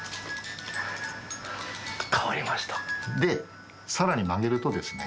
でさらに曲げるとですね。